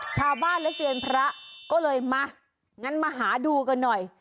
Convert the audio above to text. ชาวบ้านและเซียนพระก็เลยมางั้นมาหาดูกันหน่อย